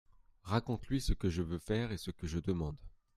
Raconte-lui ce que je veux faire et ce que je demande.